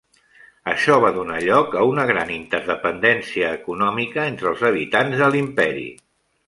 Això va donar lloc a una gran interdependència econòmica entre els habitants de l'imperi.